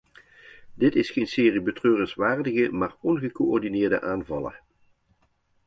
Dit is geen serie betreurenswaardige maar ongecoördineerde aanvallen.